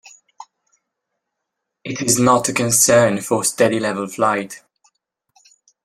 It is not a concern for steady level flight.